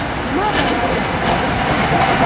لماذا هذا خطأ ؟